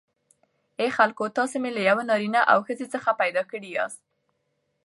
ای خلکو تاسی می له یوه نارینه او ښځی څخه پیداکړی یاست